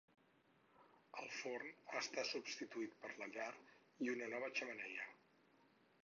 El forn ha estat substituït per la llar i una nova xemeneia.